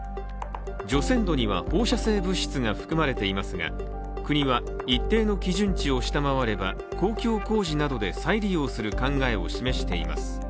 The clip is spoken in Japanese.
除染土には放射性物質が含まれていますが、国は一定の基準値を下回れば公共工事などで再利用する考えを示しています。